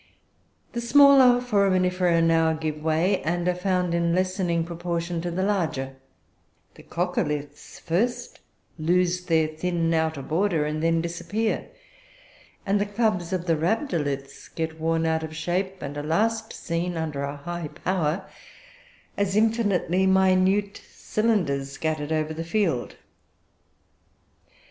The smaller Foraminifera now give way, and are found in lessening proportion to the larger; the coccoliths first lose their thin outer border and then disappear; and the clubs of the rhabdoliths get worn out of shape, and are last seen, under a high power, as infinitely minute cylinders scattered over the field.